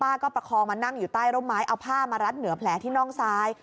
ก็ประคองมานั่งอยู่ใต้ร่มไม้เอาผ้ามารัดเหนือแผลที่น่องซ้าย